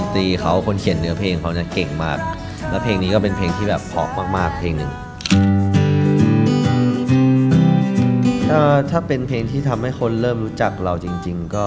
ถ้าเป็นเพลงที่ทำให้คนเริ่มรู้จักเราจริงก็